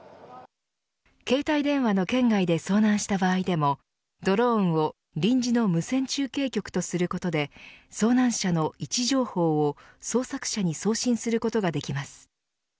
携帯電話の圏外で遭難した場合でもドローンを臨時の無線中継局とすることで遭難者の位置情報を捜索者に送信することができます。